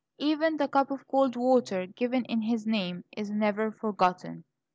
Even the cup of cold water given in his name, is never forgotten.